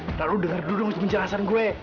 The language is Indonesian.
nah lu denger dulu dong penjelasan gue